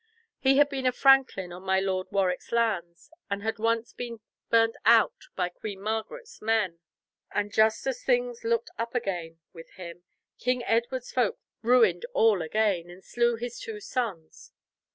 He had been a franklin on my Lord of Warwick's lands, and had once been burnt out by Queen Margaret's men, and just as things looked up again with him, King Edward's folk ruined all again, and slew his two sons.